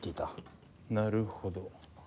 なるほど。